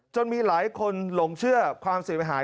มีหลายคนหลงเชื่อความเสียหาย